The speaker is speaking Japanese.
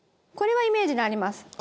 これはイメージにあります。